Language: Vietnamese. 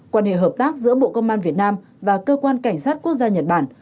quan hệ hợp tác giữa bộ công an việt nam và cơ quan cảnh sát quốc gia nhật bản